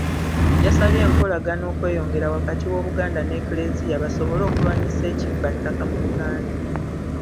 Yasabye enkolagana okweyongera wakati w'Obuganda n'Eklezia, basobole okulwanyisa ekibba ttaka mu Buganda.